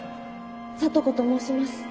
聡子と申します。